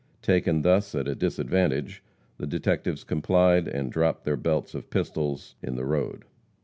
Taken thus, at a disadvantage, the detectives complied, and dropped their belts of pistols in the road.